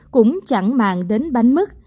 cũng chẳng mạng đến bánh mứt